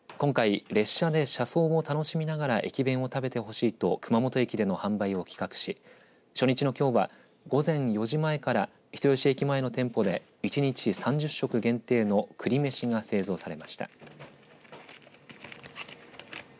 今回、列車で車窓を楽しみながら駅弁を食べてほしいと熊本駅での販売を企画し初日のきょうは午前４時前から人吉駅前の店舗で１日３０食限定の栗めしが製造されました。